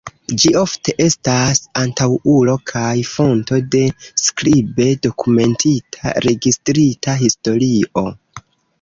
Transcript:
Ĝi ofte estas antaŭulo kaj fonto de skribe dokumentita registrita historio.